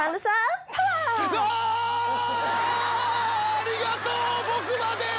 ありがとう僕まで！